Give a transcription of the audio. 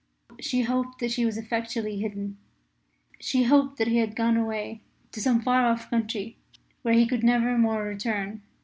She hoped that she was effectually hidden; she hoped that he had gone away to some far off country where he would never more return.